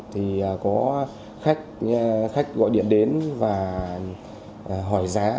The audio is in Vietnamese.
thì có khách gọi điện đến và hỏi giá